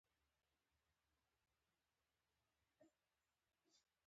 د جلکې تاریخې لرلید: